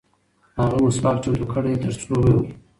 هغه مسواک چمتو کړی دی ترڅو یې ووهي.